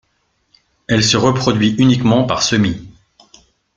Elle se reproduit uniquement par semis.